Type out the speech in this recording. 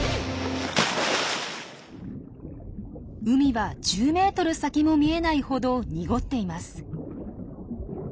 海は１０ｍ先も見えないほど濁っています。